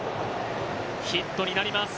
ヒットになります。